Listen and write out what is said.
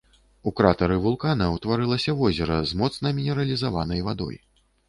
У кратары вулкана ўтварылася возера з моцна мінералізаванай вадой.